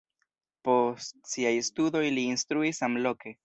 Post siaj studoj li instruis samloke.